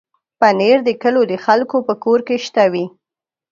پنېر د کلیو د خلکو په کور کې شته وي.